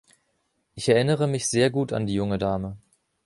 Ich erinnere mich sehr gut an die junge Dame.